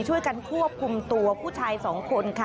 ช่วยกันควบคุมตัวผู้ชายสองคนค่ะ